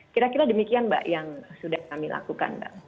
kira kira demikian mbak yang sudah kami lakukan mbak